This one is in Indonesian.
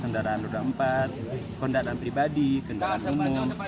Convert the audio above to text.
kendaraan berdaduan kendaraan berdaduan kendaraan berdaduan